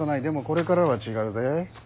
でもこれからは違うぜ。